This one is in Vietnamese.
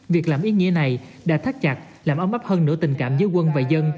việc làm ý nghĩa này đã thắt chặt làm ấm áp hơn nửa tình cảm giữa quân và dân